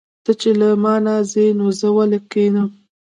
ته چې له مانه ځې نو زه ولې کښېنم.